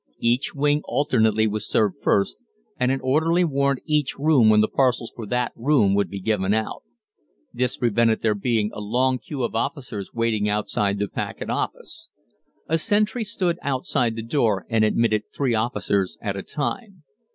Each wing alternately was served first, and an orderly warned each room when the parcels for that room would be given out. This prevented there being a long queue of officers waiting outside the paquet office. A sentry stood outside the door and admitted three officers at a time.